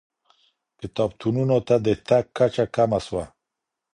کتابتونونو ته د تګ کچه کمه سوه.